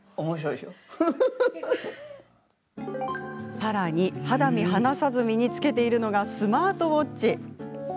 さらに肌身離さず身に着けているのがスマートウォッチ。